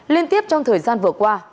liên tiếp trong thời gian vừa qua